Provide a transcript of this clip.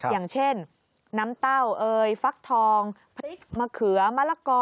อย่างเช่นน้ำเต้าเอ่ยฟักทองพริกมะเขือมะละกอ